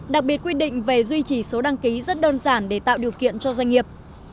đặc biệt quy định về duy trì số đăng ký rất đơn giản để tạo điều kiện cho doanh nghiệp